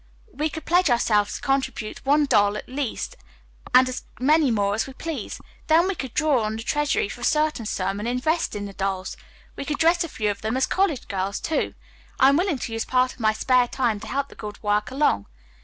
"We could pledge ourselves to contribute one doll at least, and as many more as we please. Then we could draw on the treasury for a certain sum and invest it in dolls. We could dress a few of them as college girls, too. I'm willing to use part of my spare time to help the good work along.